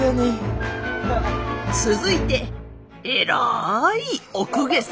続いて偉いお公家様。